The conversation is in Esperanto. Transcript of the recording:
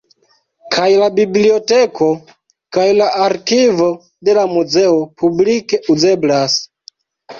Kaj la biblioteko kaj la arkivo de la muzeo publike uzeblas.